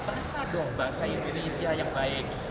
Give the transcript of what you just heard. baca dong bahasa indonesia yang baik